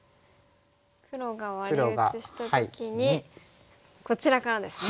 黒がワリ打ちした時にこちらからですね。